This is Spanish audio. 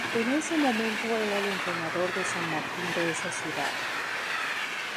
En ese momento era el entrenador de San Martín de esa ciudad.